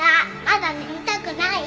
まだ眠たくない！